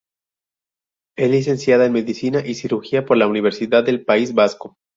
Es licenciada en Medicina y Cirugía por la Universidad del País Vasco.